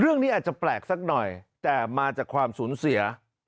เรื่องนี้อาจจะแปลกสักหน่อยแต่มาจากความสูญเสีย